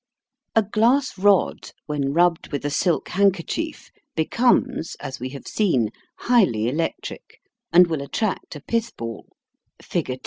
A glass rod when rubbed with a silk handkerchief becomes, as we have seen, highly electric, and will attract a pithball (fig.